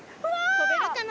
飛べるかな？